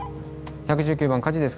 ☎☎１１９番です。